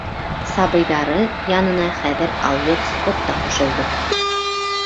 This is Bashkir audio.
Сабыйҙары янына хәҙер алйот Скотт та ҡушылды.